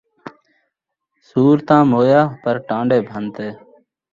سوّر تاں مویا ، پر ٹان٘ڈے بھن تے